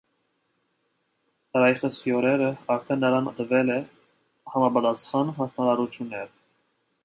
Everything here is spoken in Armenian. Ռայխսֆյուրերը արդեն նրան տվել է համապատասխան հանձնարարություններ։